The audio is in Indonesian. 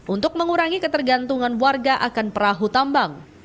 untuk mengurangi ketergantungan warga akan perahu tambang